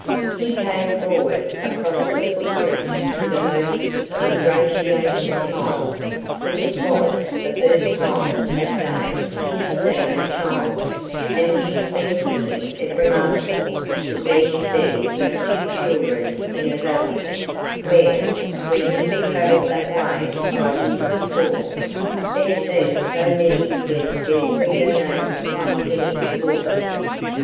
He came forward across the foot bridge with a most ingratiating smile, for this was the first time that day he had seen a child and he had been thinking it remarkable that there should be so few children in a valley, where, when he had travelled that way five years before, there had been so many he had scarcely been able to find pennies for them.